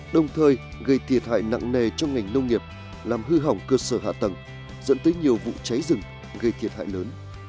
đồng thời gây thiệt hại nặng nề cho ngành nông nghiệp làm hư hỏng cơ sở hạ tầng dẫn tới nhiều vụ cháy rừng gây thiệt hại lớn